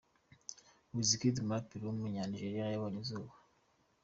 Wizkid, umuraperi w’umunyanigeriya yabonye izuba.